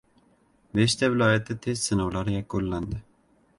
Beshta viloyatda test sinovlari yakunlandi